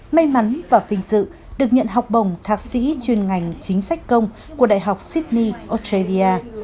may mắn và vinh dự được nhận học bồng thạc sĩ chuyên ngành chính sách công của đại học sydney australia